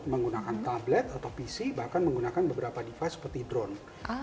menggunakan tablet atau pc bahkan menggunakan beberapa device seperti drone